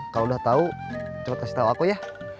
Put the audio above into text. kalau udah tau coba kasih tau aku ya